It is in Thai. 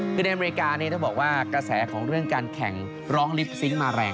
คือในอเมริกานี้ต้องบอกว่ากระแสของเรื่องการแข่งร้องลิปซิงค์มาแรง